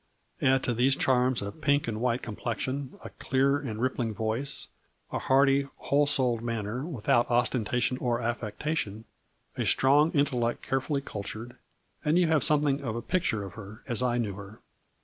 Add to these charms a pink and white com plexion, a clear and rippling voice, a hearty whole souled manner, without ostentation or af fectation, a strong intellect carefully cultured, and you have something of a picture of her, as I knew her.